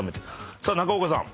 さあ中岡さん